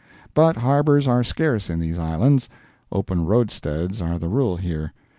But harbors are scarce in these islands—open roadsteads are the rule here.